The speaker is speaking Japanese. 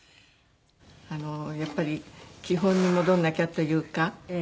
やっぱり基本に戻らなきゃというか。